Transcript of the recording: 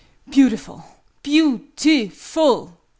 "Beautiful! Beau ti ful!